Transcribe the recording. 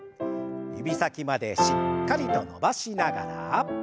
指先までしっかりと伸ばしながら。